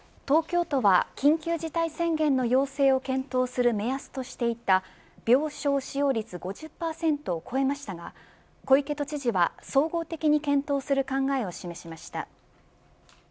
東京都は緊急事態宣言の要請を検討する目安としていた病床使用率５０％を超えましたが小池都知事は総合的に検討する考えを示しました。